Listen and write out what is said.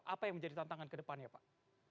apa yang menjadi tantangan kedepannya pak